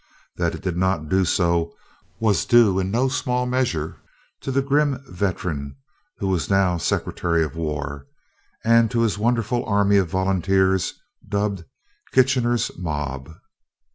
That it did not do so, was due in no small measure to the grim veteran who was now Secretary of War, and to his wonderful army of volunteers, dubbed "Kitchener's Mob."